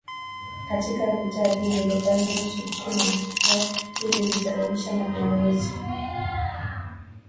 Katika vita dhidi ya Japani Urusi ulishindwa na tukio hili lilisababisha mapinduzi